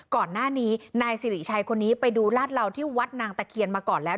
ก่อนหน้านี้นายสิริชัยคนนี้ไปดูลาดเหล่าที่วัดนางตะเคียนมาก่อนแล้ว